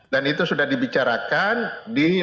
dan itu sudah dibicarakan di lintas